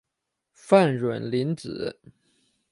范允临子。